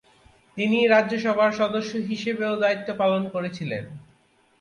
তিনি রাজ্যসভার সদস্য হিসাবেও দায়িত্ব পালন করেছিলেন।